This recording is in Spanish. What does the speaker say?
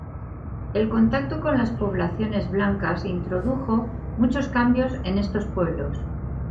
El contacto con las poblaciones blancas introdujo muchos cambios en estos pueblos.